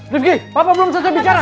rifqi papa belum bisa bicara